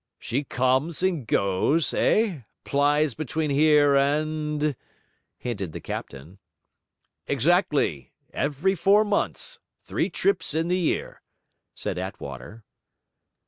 'She comes and goes, eh? plies between here and...?' hinted the captain. 'Exactly; every four months; three trips in the year,' said Attwater.